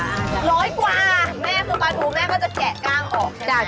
คือปลาทูแม่ก็จะแกะกล้างออกใช่ไหม